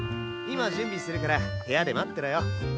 今準備するから部屋で待ってろよ。